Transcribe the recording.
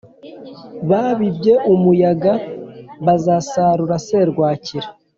Babibye umuyaga, bazasarura serwakira;